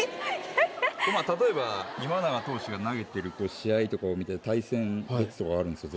例えば今永投手が投げてる試合とかを見て対戦別とかあるんですよ。